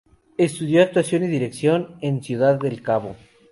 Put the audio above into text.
Estudió actuación y dirección en Ciudad del Cabo.